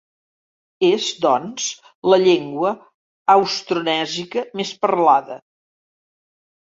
És, doncs, la llengua austronèsica més parlada.